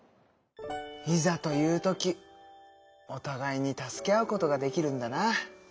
いざという時おたがいに助け合うことができるんだな。